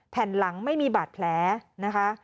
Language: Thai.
แผ่นหลังไม่มีบาดแผลนะคะ